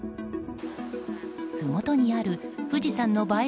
ふもとにある富士山の映え